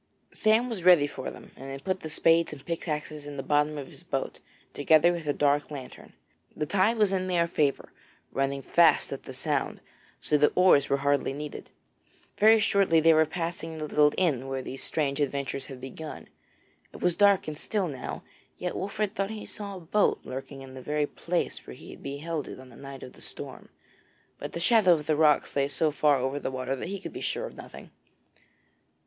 Sam was ready for them and had put the spades and pickaxes in the bottom of his boat, together with a dark lantern. The tide was in their favour running fast up the Sound, so that oars were hardly needed. Very shortly they were passing the little inn where these strange adventures had begun; it was dark and still now, yet Wolfert thought he saw a boat lurking in the very place where he had beheld it on the night of the storm, but the shadow of the rocks lay so far over the water that he could be sure of nothing.